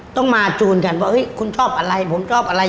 ต้องมาจูนกันว่าคุณชอบอะไรผมชอบอะไร